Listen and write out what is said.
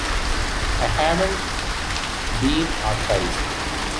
I haven’t been authorized.